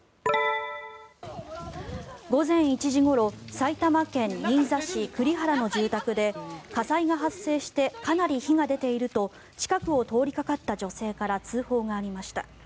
午前１時ごろ埼玉県新座市栗原の住宅で火災が発生してかなり火が出ていると近くを通りかかった女性から通報がありました。